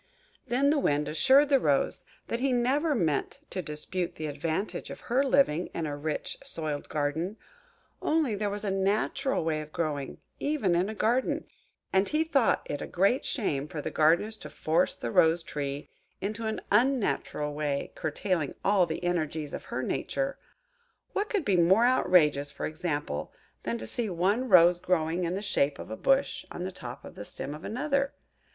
Then the Wind assured the Rose he never meant to dispute the advantage of her living in a rich soiled garden; only there was a natural way of growing, even in a garden; and he thought it a great shame for the gardeners to force the Rose tree into an unnatural way, curtailing all the energies of her nature. What could be more outrageous, for example, than to see one rose growing in the shape of a bush on the top of the stem of another?